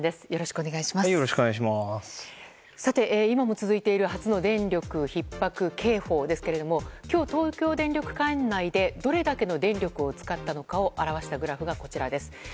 今も続いている初の電力ひっ迫警報ですが今日、東京電力管内でどれだけの電力を使ったのかを表したグラフがこちらです。